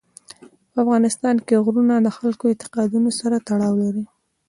په افغانستان کې غرونه د خلکو د اعتقاداتو سره تړاو لري.